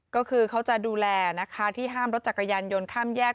ก็คือเขาจะดูแลนะคะที่ห้ามรถจักรยานยนต์ข้ามแยก